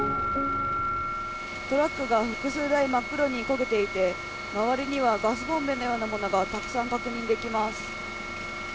トラックが複数台、真っ黒に焦げていて、周りにはガスボンベのようなものがたくさん確認できます。